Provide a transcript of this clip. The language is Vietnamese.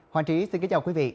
hoàn chí xin kính chào quý vị